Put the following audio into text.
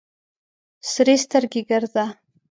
سرې سترګې ګرځه.